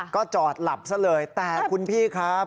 ก็จอดหลับซะเลยแต่คุณพี่ครับ